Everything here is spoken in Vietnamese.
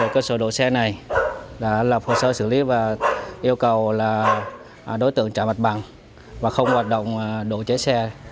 cơ sở đồ xe này đã lập hồ sơ xử lý và yêu cầu đối tượng trả mặt bằng và không hoạt động đồ chế xe